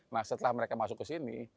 nah setelah mereka masuk ke sini